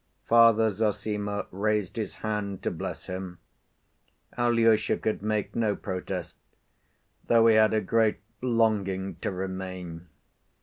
Father Zossima raised his hand to bless him. Alyosha could make no protest, though he had a great longing to remain.